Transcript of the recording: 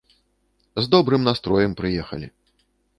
З добрым настроем прыехалі.